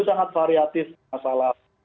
sangat variatif masalah